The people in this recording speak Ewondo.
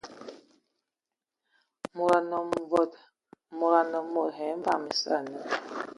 Mod anə mod evam sə ane..